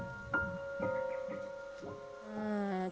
semoga dengan domba yang diberikan ini